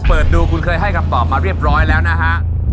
เปิดดูคุณเคยให้คำตอบมาเรียบร้อยแล้วนะฮะ